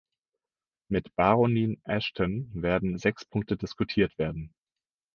Mit Baronin Ashton werden sechs Punkte diskutiert werden.